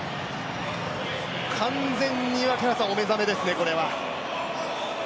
完全にお目覚めですね、これは。